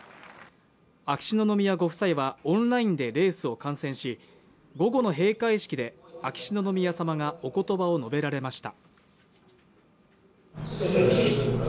秋篠宮ご夫妻はオンラインでレースを観戦し、午後の閉会式で秋篠宮さまがおことばを述べられました。